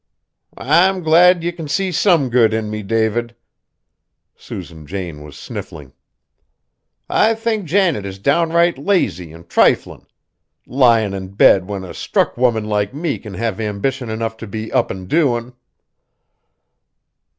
"I'm glad you can see some good in me, David!" Susan Jane was sniffling. "I think Janet is downright lazy an' triflin'. Lyin' in bed when a struck woman like me can have ambition enough to be up an' doin'."